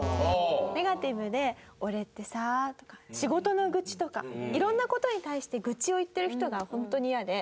ネガティブで「俺ってさ」とか仕事の愚痴とか。いろんな事に対して愚痴を言ってる人が本当にイヤで。